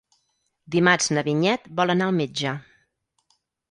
Dimarts na Vinyet vol anar al metge.